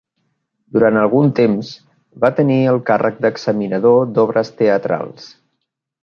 Durant algun temps, va tenir el càrrec d'examinador d'obres teatrals.